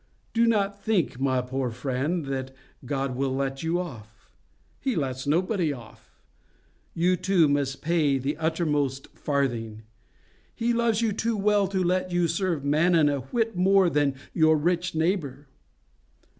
Do not think, my poor friend, that God will let you off. He lets nobody off. You, too, must pay the uttermost farthing. He loves you too well to let you serve Mammon a whit more than your rich neighbour.